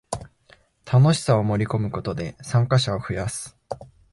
楽しさを盛りこむことで参加者を増やす